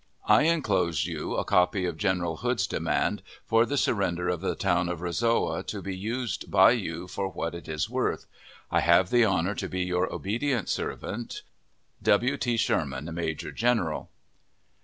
I inclose you a copy of General Hood's demand for the surrender of the town of Resaoa, to be used by you for what it is worth. I have the honor to be your obedient servant, W. T. SHERMAN, Major General.